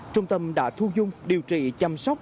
trung tâm đã thu dung điều trị chăm sóc